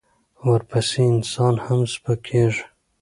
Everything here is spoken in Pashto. ورپسې انسان هم سپکېږي.